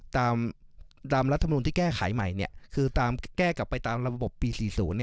ตามรัฐมนุนที่แก้ไขใหม่คือแก้กลับไปตามระบบปี๔๐